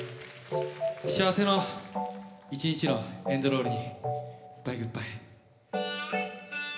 幸せの一日のエンドロールに。